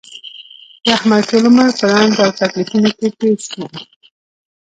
د احمد ټول عمر په رنځ او تکلیفونو کې تېر شو.